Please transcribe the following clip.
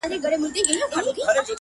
نیک چلند زړونه خپلوي